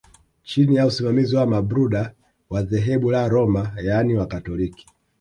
Chini ya usimamizi wa Mabruda wa dhehebu la Roma yaani wakatoliki